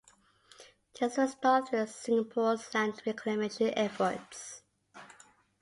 This was done through Singapore's land reclamation efforts.